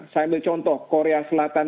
saya ambil contoh korea selatan